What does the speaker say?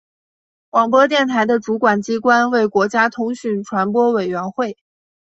广播电台的主管机关为国家通讯传播委员会。